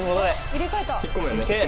入れ替えた。